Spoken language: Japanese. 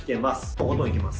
とことんいきます。